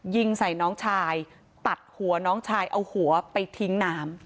ยิงใส่น้องชายตัดหัวน้องชายเอาหัวไปทิ้งน้ำ